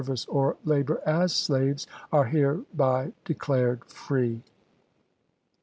vice or labor as slaves are hereby declared free."